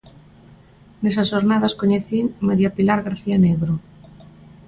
Nesas xornadas coñecín María Pilar García Negro.